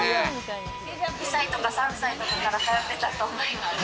２歳とか３歳とかから通ってたと思います。